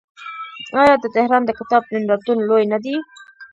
آیا د تهران د کتاب نندارتون لوی نه دی؟